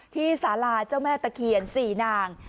ที่สาราเจ้าแม่ตะเขียนสี่นาง